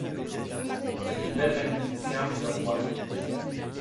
C'est une belle magnificence de roi.